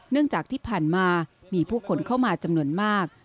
จากที่ผ่านมามีผู้คนเข้ามาจำนวนมาก